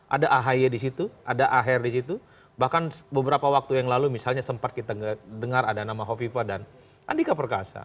ada ahy di situ ada aher di situ bahkan beberapa waktu yang lalu misalnya sempat kita dengar ada nama hovifa dan andika perkasa